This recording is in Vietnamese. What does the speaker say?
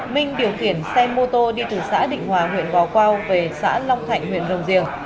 minh điều khiển xe mô tô đi từ xã định hòa huyện gò quao về xã long thạnh huyện rồng riềng